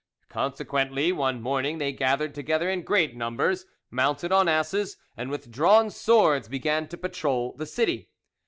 Consequently, one morning they gathered together in great numbers, mounted on asses, and with drawn swords began to patrol the city.